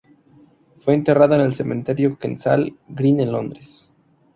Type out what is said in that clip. Fue enterrado en el Cementerio Kensal Green de Londres.